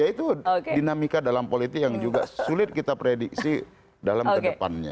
ya itu dinamika dalam politik yang juga sulit kita prediksi dalam kedepannya